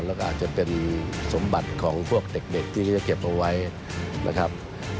แล้วก็อาจจะเป็นสมบัติของพวกเด็กที่จะเก็บเอาไว้นะครับ